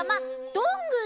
どんぐー？